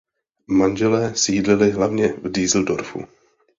Manželé sídlili hlavně v Düsseldorfu.